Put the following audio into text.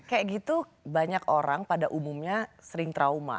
kayak gitu banyak orang pada umumnya sering trauma